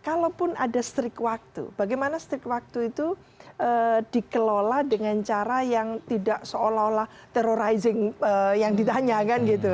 kalaupun ada setrik waktu bagaimana setrik waktu itu dikelola dengan cara yang tidak seolah olah terrorizing yang ditanyakan gitu